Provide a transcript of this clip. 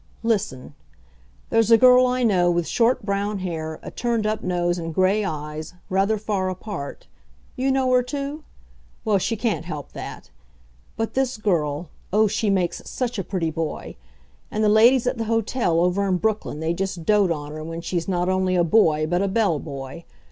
Listen. There's a girl I know with short brown hair, a turned up nose and gray eyes, rather far apart. You know her, too? Well, she can't help that. But this girl oh, she makes such a pretty boy! And the ladies at the hotel over in Brooklyn, they just dote on her when she's not only a boy but a bell boy.